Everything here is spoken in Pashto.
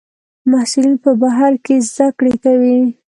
محصلین په بهر کې زده کړې کوي.